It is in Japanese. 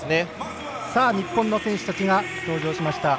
日本の選手たちが登場しました。